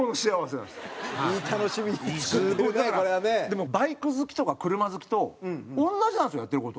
でもバイク好きとか車好きと同じなんですよやってる事。